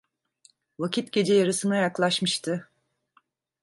Vakit gece yarısına yaklaşmıştı.